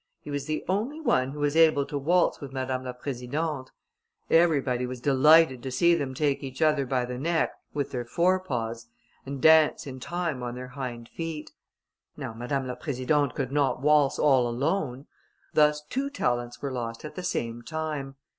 He was the only one who was able to waltz with Madame la Présidente. Everybody was delighted to see them take each other by the neck, with their fore paws, and dance in time on their hind feet. Now, Madame la Présidente could not waltz all alone; thus two talents were lost at the same time.